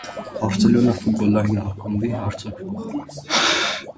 Բարսելոնա ֆուտբոլային ակումբի հարձակվող։